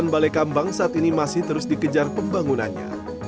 balai kambang saat ini masih terus dikejar pembangunannya